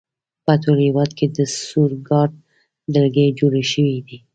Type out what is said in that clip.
په ټول هېواد کې د سور ګارډ ډلګۍ جوړې شوې.